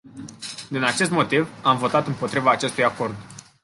Din acest motiv, am votat împotriva acestui acord.